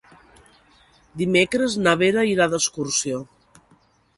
Dimecres na Vera irà d'excursió.